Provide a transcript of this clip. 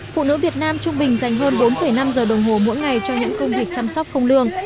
phụ nữ việt nam trung bình dành hơn bốn năm giờ đồng hồ mỗi ngày cho những công việc chăm sóc không lương